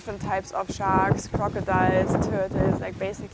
serupa jenis penjaga krokodil tetes dan sebagainya yang anda mungkin bayangkan